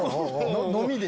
飲みで？